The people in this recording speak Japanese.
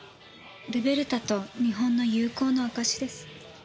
ルベルタと日本の友好の証しです。